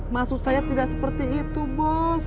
maksud saya tidak seperti itu bos